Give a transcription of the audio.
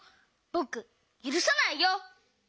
ぼくゆるさないよ！